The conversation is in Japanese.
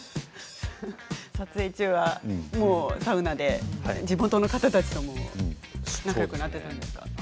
撮影中はサウナで地元の方たちと仲よくなっていたんですね。